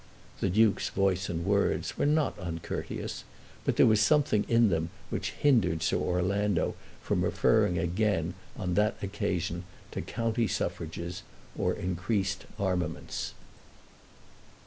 The Duke's voice and words were not uncourteous, but there was something in them which hindered Sir Orlando from referring again on that occasion to county suffrages or increased armaments.